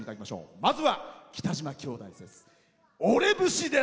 まずは北島兄弟です。